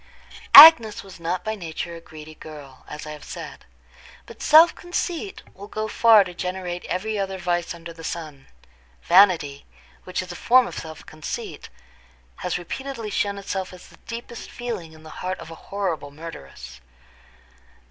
Agnes was not by nature a greedy girl, as I have said; but self conceit will go far to generate every other vice under the sun. Vanity, which is a form of self conceit, has repeatedly shown itself as the deepest feeling in the heart of a horrible murderess.